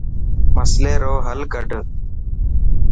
مصلي رو هل ڪڌ.